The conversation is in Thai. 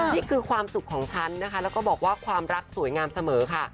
นี่คือความสุขของฉันนะคะแล้วก็บอกว่าความรักสวยงามเสมอค่ะ